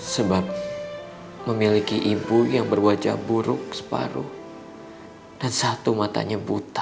sebab memiliki ibu yang berwajah buruk separuh dan satu matanya buta